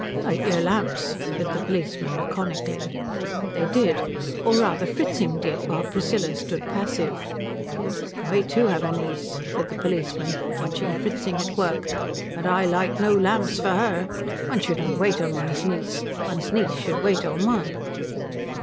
"Light your lamps," said the policeman, laconically. They did; or rather Fritzing did, while Priscilla stood passive. "I too have a niece," said the policeman, watching Fritzing at work; "but I light no lamps for her. One should not wait on one's niece. One's niece should wait on one."